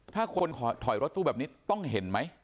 ถ้าคนถอยรถตู้แบบนี้ต้องเห็นไหม